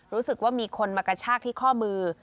รู้สึกว่ามีคนมากระชากที่ข้อมือ